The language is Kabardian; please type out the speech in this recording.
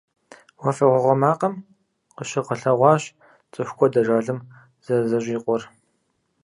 «Уафэгъуагъуэ макъым» къыщыгъэлъэгъуащ цӀыху куэд ажалым зэрызэщӀикъуэр.